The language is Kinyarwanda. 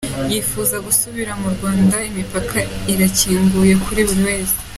Yifuza gusubira mu Rwanda, imipaka irakinguye kuri buri wese.”